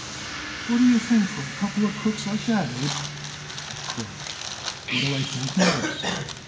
"What do you think for a couple of crooks like that, Abe?" he croaked. "What do I think, Mawruss?"